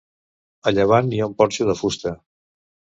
A llevant hi ha un porxo de fusta.